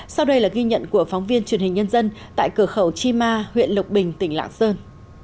sau đây là ghi nhận của phóng viên truyền hình nhân dân tại cửa khẩu chi ma huyện lộc bình tỉnh lạng sơn